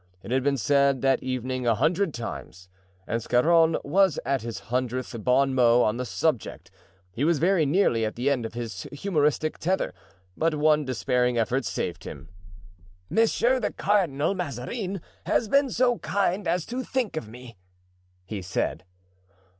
It had been said that evening a hundred times—and Scarron was at his hundredth bon mot on the subject; he was very nearly at the end of his humoristic tether, but one despairing effort saved him. "Monsieur, the Cardinal Mazarin has been so kind as to think of me," he said.